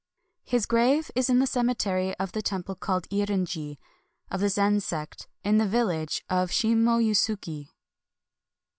His grave is in the cemetery of the temple called Eirin ji, of the Zen sect, in the village of Shimo Yusuki.